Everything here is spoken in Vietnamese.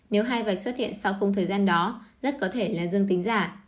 nếu hai vạch xuất hiện sau không thời gian đó rất có thể là dương tính giả